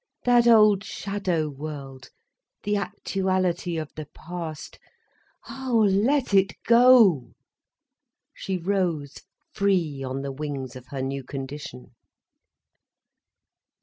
That old shadow world, the actuality of the past—ah, let it go! She rose free on the wings of her new condition.